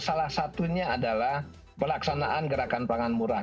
salah satunya adalah pelaksanaan gerakan pangan murah